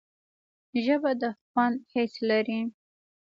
ژبه د خوند حس لري